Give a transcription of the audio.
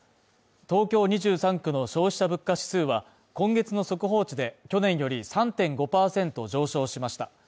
東京２３区の消費者物価指数は、今月の速報値で、去年より３．５％上昇しました。